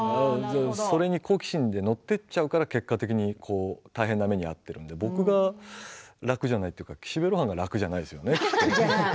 好奇心で乗っていってしまうから結果的に大変な目に遭っているだけで僕が楽じゃないというか岸辺露伴が楽じゃないですよね。